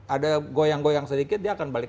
ada goyang goyang sedikit dia akan balik